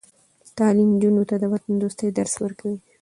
تعلیم نجونو ته د وطندوستۍ درس ورکوي.